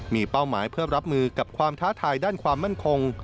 มีเป้าหมายเพื่อรับมือกับความท้าทายด้านความมั่นคง